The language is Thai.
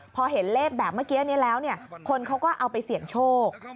พอเห็นเลขแบบเมื่อกี้นี้แล้วคนเขาก็เอาไปเสี่ยงโชค